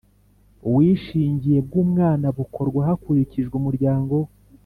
Ubwishingire bwu mwana bukorwa hakurikijwe umuryangowe.